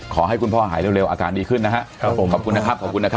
ขอให้คุณพ่อหายเร็วอาการดีขึ้นนะครับผมขอบคุณนะครับขอบคุณนะครับ